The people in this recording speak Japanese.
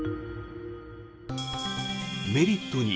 メリット